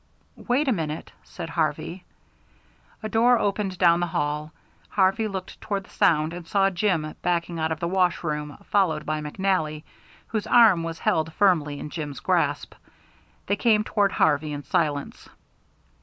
"Wait a minute," said Harvey. A door opened down the hall. Harvey looked toward the sound, and saw Jim backing out of the wash room, followed by McNally, whose arm was held firmly in Jim's grasp. They came toward Harvey in silence.